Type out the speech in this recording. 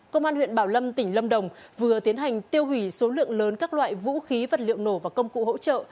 công an huyện bảo lâm tỉnh lâm đồng vừa tiến hành tiêu hủy số lượng lớn các loại vũ khí vật liệu nổ và công cụ hỗ trợ